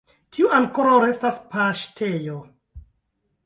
Tiu ankoraŭ restas paŝtejo.